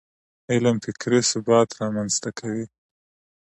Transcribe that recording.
علم فکري ثبات رامنځته کوي.